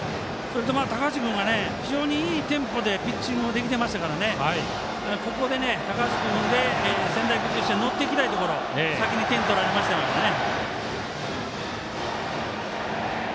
高橋君が非常にいいテンポでピッチングをできてましたからここで高橋君で仙台育英としては乗っていきたいところを先に点を取られましたからね。